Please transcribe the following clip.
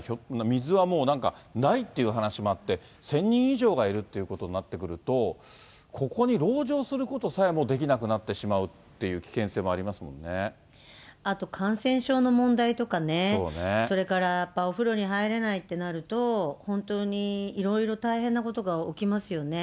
水はもうなんかないっていう話もあって、１０００人以上がいるということになってくると、ここに籠城することさえもできなくなってしまうっていう危険性もあと感染症の問題とかね、それからやっぱり、お風呂に入れないってなると、本当にいろいろ大変なことが起きますよね。